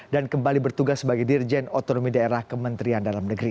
dan kembali bertugas sebagai dirjen otonomi daerah kementerian dalam negeri